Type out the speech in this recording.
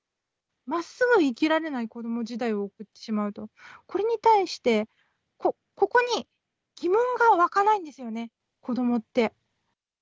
まっすぐに生きられない子ども時代を送ってしまうと、これに対して、ここに疑問が湧かないんですよね、子どもって。